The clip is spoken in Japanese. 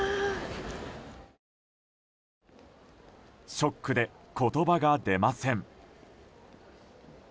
ショックで言葉が出ません。